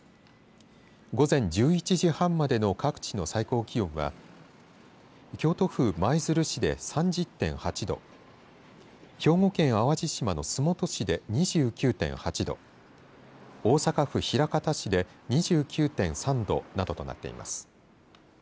午前１１時半までの各地の最高気温は京都府舞鶴市で３０．８度兵庫県淡路島の洲本市で２９．８度大阪府枚方市で２９．３度などとなっています。